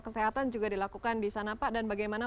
kesehatan juga dilakukan disana pak dan bagaimana